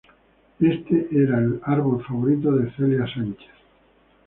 Este era el árbol favorito de Celia Sánchez.